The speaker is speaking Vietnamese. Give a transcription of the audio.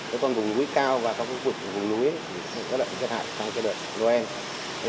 nếu còn vùng núi cao và các khu vực vùng núi thì sẽ kết hại trong kết hại noel